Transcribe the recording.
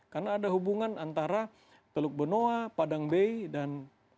karena ada hubungan antara teluk benoa padang bay dan